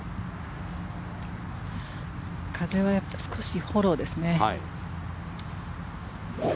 風は少しフォローですね。